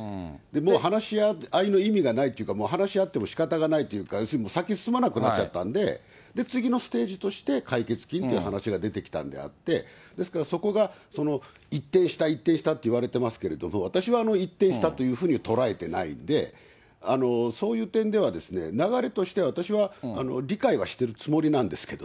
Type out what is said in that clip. もう話し合いの意味がないというか、もう話し合ってもしかたがないというか、先に進まなくなっちゃったんで、次のステージとして、解決金という話が出てきたんであって、ですから、そこが一転した、一転したといわれていますけれども、私は一転したというふうに捉えてないで、そういう点では、流れとして私は、理解してるつもりなんですけどね。